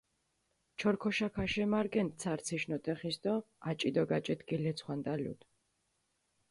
ჩორქოშა ქაშემარგენდჷ ცარციშ ნოტეხის დო აჭი დო გაჭით გილეცხვანტალუდჷ.